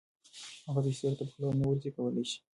هغه څه چې سړي ته په خوله نه ورځي کولی شي